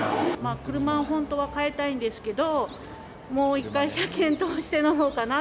車を本当は替えたいんですけど、もう一回、車検通して乗ろうかな。